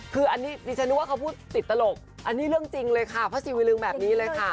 คืออันนี้ดิฉันนึกว่าเขาพูดติดตลกอันนี้เรื่องจริงเลยค่ะพระซีวิลึงแบบนี้เลยค่ะ